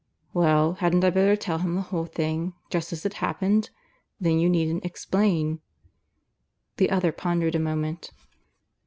"Well, hadn't I better tell him the whole thing, just as it happened? Then you needn't explain." The other pondered a moment.